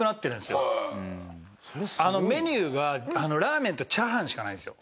メニューがラーメンとチャーハンしかないんですよ。